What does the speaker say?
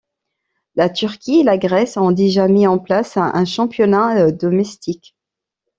La Turquie et la Grèce ont déjà mis en place un championnat domestique.